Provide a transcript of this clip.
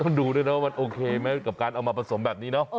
ดูด้วยนะว่ามันโอเคไหมกับการเอามาผสมแบบนี้เนาะ